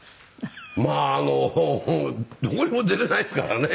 まあどこにも出れないですからね。